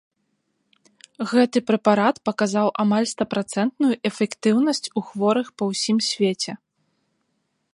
Гэты прэпарат паказаў амаль стапрацэнтную эфектыўнасць у хворых па ўсім свеце.